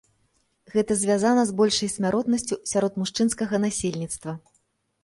Гэта звязана з большай смяротнасцю сярод мужчынскага насельніцтва.